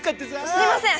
すみません